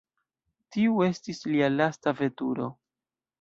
Tiu estis lia lasta veturo.